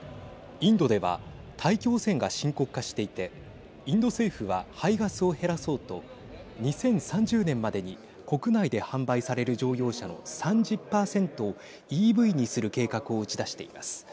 インドでは大気汚染が深刻化していてインド政府は排ガスを減らそうと２０３０年までに国内で販売される乗用車の３０％をＥＶにする計画を打ち出しています。